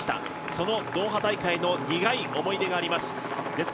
そのドーハ大会の苦い思い出があります。